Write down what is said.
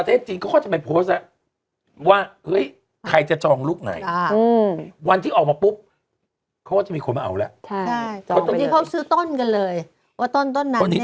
เขาก็จะมีคนมาเอาแล้วใช่จองไปเดี๋ยวเขาซื้อต้นกันเลยว่าต้นต้นนั้นเนี้ย